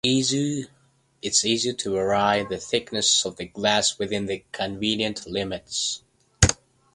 It is easy to vary the thickness of the glass within convenient limits.